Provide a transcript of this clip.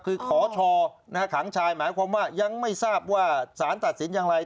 คือขอชอขังชายหมายความว่ายังไม่ทราบว่าสารตัดสินอย่างไร